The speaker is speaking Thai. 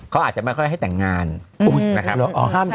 เขาอาจจะไม่ค่อยให้แต่งงานนะครับ